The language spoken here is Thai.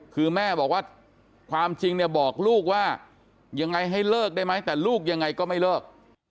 คือแม่บอกว่าความจริงเนี่ยบอกลูกว่ายังไงให้เลิกได้ไหมแต่ลูกยังไงก็ไม่เลิก